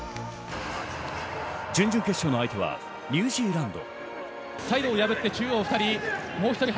準々決勝の相手はニュージーランド。